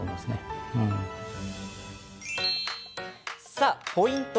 さあ、ポイント